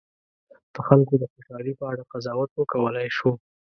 د خلکو د خوشالي په اړه قضاوت وکولای شو.